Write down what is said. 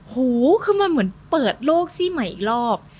หูคือมันเหมือนเปิดโลกซี่ใหม่อีกรอบ